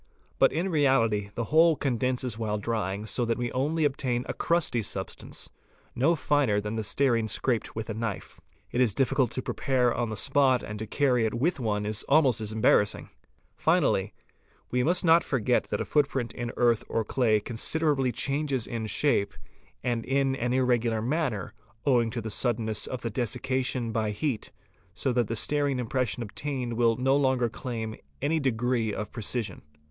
But in Pi reality the whole condenses while drying so that we only obtain a crusty xz substance, no finer than the stearine scraped with a knife. It is difficult Pa to prepare on the spot and to carry it with one is almost as embarrassing. — i REPRODUCTION OF FOOTPRINTS 543 Finally, we must not forget that a footprint in earth or clay considerably changes in shape and in an irregular manner owing to the suddenness of the desiccation by heat, so that the stearine impression obtained will no longer claim any degree of precision.